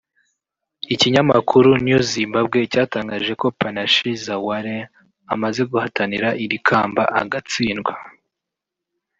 Ikinyamakuru New Zimbabwe cyatangaje ko Panashe Zhaware amaze guhatanira iri kamba agatsindwa